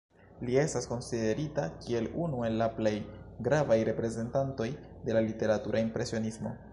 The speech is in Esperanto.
Li estas konsiderita kiel unu el la plej gravaj reprezentantoj de la literatura impresionismo.